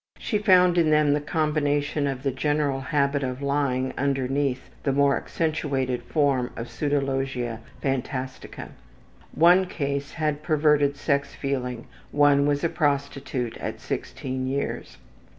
She found in them the combination of the general habit of lying underneath the more accentuated form of pseudologia phantastica. One case had perverted sex feeling, one was a prostitute at sixteen years.